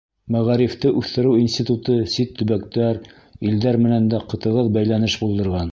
Мәғарифты үҫтереү институты сит төбәктәр, илдәр менән дә тығыҙ бәйләнеш булдырған.